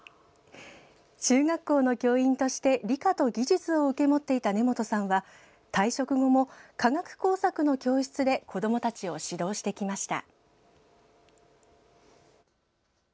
中学校の教員として理科と技術を受け持っていた根本さんは退職後も、科学工作の教室で子どもたちを指導してきました。